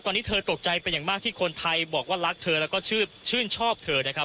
ตอนนี้เธอตกใจเป็นอย่างมากที่คนไทยบอกว่ารักเธอแล้วก็ชื่นชอบเธอนะครับ